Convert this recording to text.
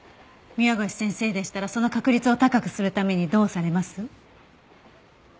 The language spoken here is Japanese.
宮越先生でしたらその確率を高くするためにどうされます？